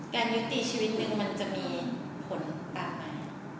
การยุติชีวิตนึงมันจะมีผลตามมา